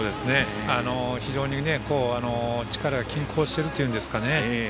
非常に力が均衡してるというんですかね。